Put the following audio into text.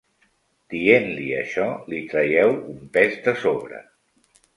Dient-li això, li traieu un pes de sobre.